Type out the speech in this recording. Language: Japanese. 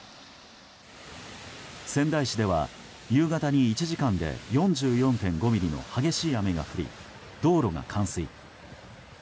仙台市では夕方に１時間で４４．５ミリの激しい雨が降り、道路が冠水。